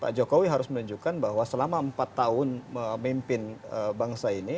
pak jokowi harus menunjukkan bahwa selama empat tahun memimpin bangsa ini